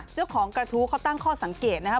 เจ้าของกระทู้เขาตั้งข้อสังเกตนะครับ